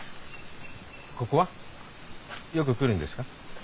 ここは？よく来るんですか？